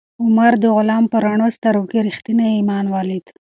عمر د غلام په رڼو سترګو کې ریښتینی ایمان ولید.